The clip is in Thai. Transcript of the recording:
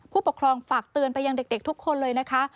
ผู้ปกครองฝากเตือนไปยังเด็กทุกคนเลยนะคะ